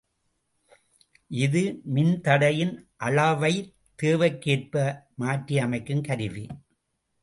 இது மின்தடையின் அளவைத் தேவைக்கேற்ப மாற்றியமைக்கும் கருவி.